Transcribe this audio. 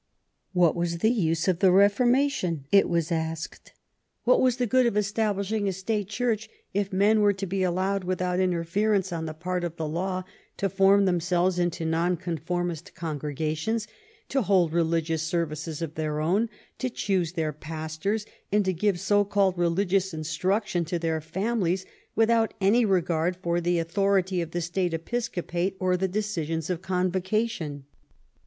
What was the use of the Beformation! it was asked. What was the good of establishing a state Church if men were to be allowed, without interfer ence on the part of the law, to form themselves into Nonconformist congregations, to hold religious ser vices of their own, to choose their pastors, and to give so called religious instruction to their families with out any regard for the authority of the state episcopate or the decisions of convocation